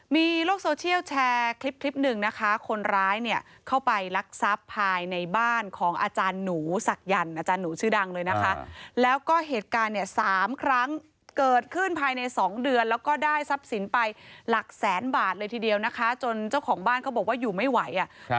มีโลกโซเชียลแชร์คลิปคลิปหนึ่งนะคะคนร้ายเนี่ยเข้าไปลักทรัพย์ภายในบ้านของอาจารย์หนูศักยันต์อาจารย์หนูชื่อดังเลยนะคะแล้วก็เหตุการณ์เนี่ย๓ครั้งเกิดขึ้นภายในสองเดือนแล้วก็ได้ทรัพย์สินไปหลักแสนบาทเลยทีเดียวนะคะจนเจ้าของบ้านเขาบอกว่าอยู่ไม่ไหวอ่ะครับ